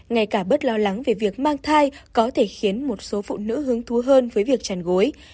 ngay cả bớt lo lắng về việc mang thai có thể khiến một số phụ nữ hứng thú hơn với việc tràn gối